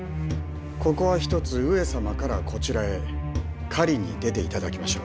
ここはひとつ上様からこちらへ狩りに出て頂きましょう。